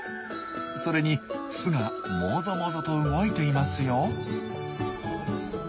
それに巣がもぞもぞと動いていますよ。